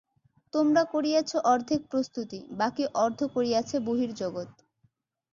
তোমরা করিয়াছ অর্ধেক প্রস্তুতি, বাকী অর্ধ করিয়াছে বহির্জগৎ।